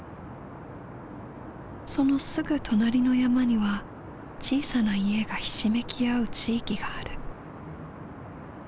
そのすぐ隣の山には小さな家がひしめき合う地域がある。